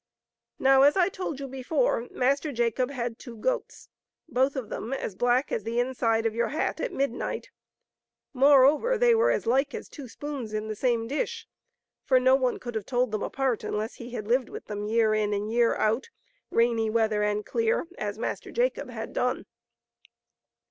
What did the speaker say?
Now, as I told you before. Master Jacob had two goats, both of them as black as the inside of your hat at midnight ; moreover, they were as like as two spoons in the same dish ; for no one could have told them apart unless he had lived with them year in and year out, rainy weather and clear, as Master Jacob had done.